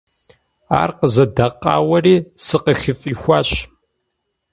Ар къызэӀэдэкъауэри сыкъыхыфӀихуащ.